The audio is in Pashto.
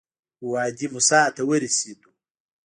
وادي موسی ته ورسېدو.